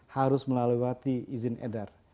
harus melewati izin edar